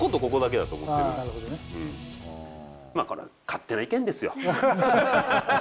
だから、勝手な意見ですよ。